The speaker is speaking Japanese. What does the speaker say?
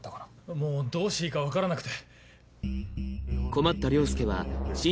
もうどうしていいか分からなくて。